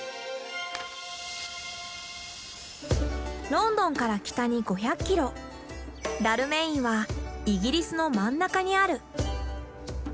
ロンドンから北に５００キロダルメインはイギリスの真ん中にある。